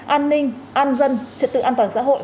an ninh an dân trật tự an toàn xã hội